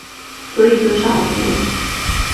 所以就上网订了